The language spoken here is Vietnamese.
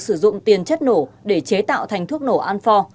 sử dụng tiền chất nổ để chế tạo thành thuốc nổ an bốn